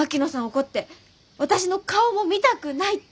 怒って私の顔も見たくないって！